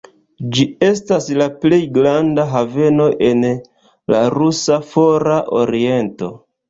Ĝi estas la plej granda haveno en la rusa Fora Oriento.